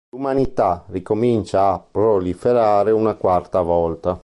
L'umanità ricomincia a proliferare una quarta volta.